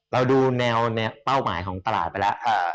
เราดูแนวเป้าหมายของตลาดไปแล้ว